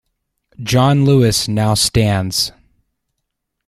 John Lewis now stands.